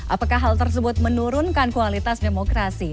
apakah hal tersebut menurunkan kualitas demokrasi